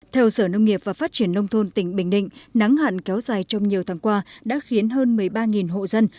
theo sở nông nghiệp và phát triển nông thôn tỉnh bình định nắng hạn kéo dài trong nhiều tháng qua đã khiến hơn một mươi ba hộ dân